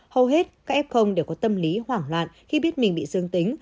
hầu hết các f đều có tâm lý hoảng loạn khi biết mình bị dương tính